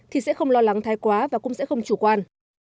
thì sẽ không lo lắng thai quá và cũng sẽ không chủ quan